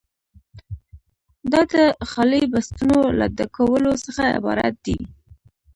دا د خالي بستونو له ډکولو څخه عبارت دی.